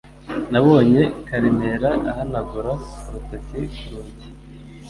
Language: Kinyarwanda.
Nabonye Karemera. ahanagura urutoki ku rugi.